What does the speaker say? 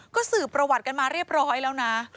ก็สืบประวัติกันมาเรียบร้อยแล้วนะ